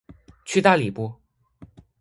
去大理不